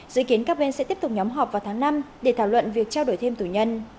dự kiến các bên sẽ tiếp tục nhóm họp vào tháng năm để thảo luận việc trao đổi thêm tù nhân